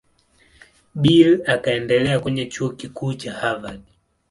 Bill akaenda kwenye Chuo Kikuu cha Harvard.